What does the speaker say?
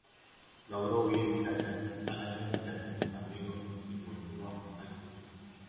Logró huir gracias a la ayuda de algunos amigos y volvió al Cuzco.